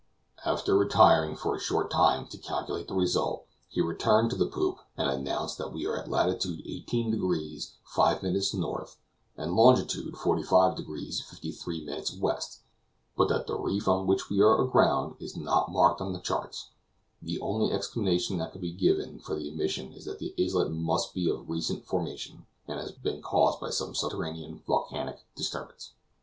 After retiring for a short time to calculate the result, he returned to the poop and announced that we are in lat. 18 deg. 5' N. and long. 45 deg. 53' W., but that the reef on which we are aground is not marked on the charts. The only explanation that can be given for the omission is that the islet must be of recent formation, and has been caused by some subterranean volcanic disturbance.